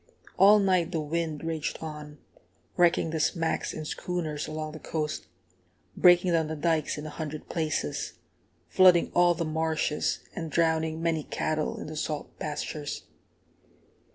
All night the wind raged on, wrecking the smacks and schooners along the coast, breaking down the dikes in a hundred places, flooding all the marshes, and drowning many cattle in the salt pastures.